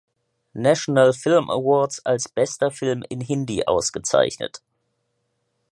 National Film Awards als bester Film in Hindi ausgezeichnet.